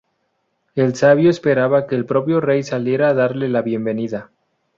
El sabio esperaba que el propio rey saliera a darle la bienvenida.